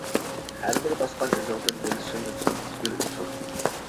ھەربىر باسقان ئىزىڭدىن دىل سۆيۈنسۇن، گۈل ئۈنسۇن!